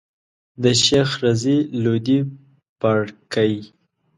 د شيخ رضی لودي پاړکی.